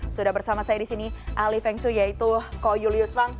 sudah bersama saya disini ali fengsu yaitu ko julius wang